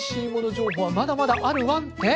情報はまだまだあるワンって？